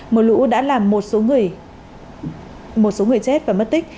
mưa lũ đã làm một số người chết và mất tích